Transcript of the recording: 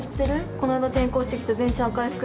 こないだ転校してきた全身赤い服の子。